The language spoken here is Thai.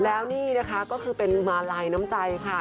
แล้วนี่นะคะก็คือเป็นมาลัยน้ำใจค่ะ